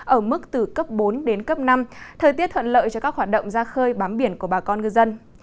ở mức từ cấp bốn đến cấp năm thời tiết thuận lợi cho các hoạt động ra khơi bám biển của bà con ngư dân